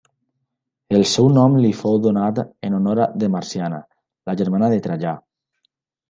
El seu nom li fou donat en honor de Marciana, la germana de Trajà.